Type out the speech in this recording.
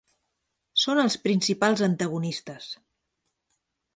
Són els principals antagonistes.